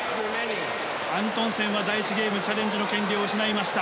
アントンセンは第１ゲームチャレンジの権利を失いました。